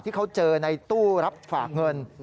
ที่เขาเจอในตู้รับฝากเงิน